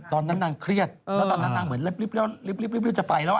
ตอนนั้นนางเครียดแล้วตอนนั้นนางเหมือนลิฟจะไปแล้ว